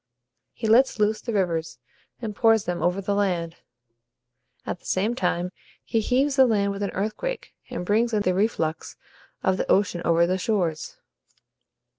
He lets loose the rivers, and pours them over the land. At the same time, he heaves the land with an earthquake, and brings in the reflux of the ocean over the shores.